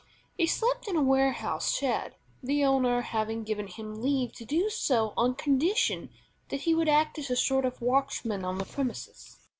He slept in a warehouse shed, the owner having given him leave to do so on condition that he would act as a sort of watchman on the premises.